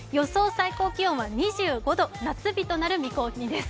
最高気温は２５度、夏日となる見込みです。